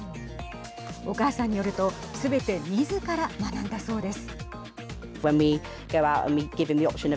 お母さんによるとすべてみずから学んだそうです。